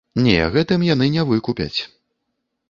Не, гэтым яны не выкупяць.